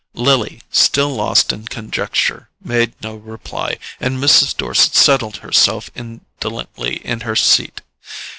Lily, still lost in conjecture, made no reply, and Mrs. Dorset settled herself indolently in her seat.